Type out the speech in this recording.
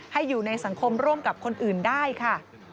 อยู่ในสังคมร่วมกับคนอื่นได้ค่ะ